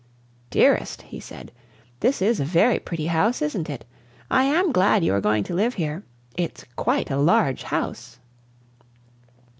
"Dearest," he said, "this is a very pretty house, isn't it? I am glad you are going to live here. It's quite a large house."